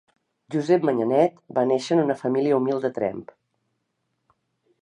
Josep Manyanet va néixer en una família humil de Tremp.